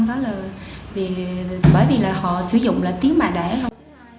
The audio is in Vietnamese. đó là bởi vì là họ sử dụng là tiếng mà đẻ không